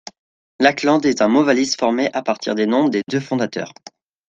Lakland est un mot-valise formé à partir des noms des deux fondateurs.